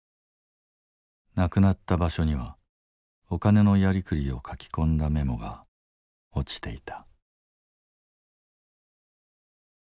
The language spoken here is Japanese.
亡くなった場所にはお金のやりくりを書き込んだメモが落ちていた。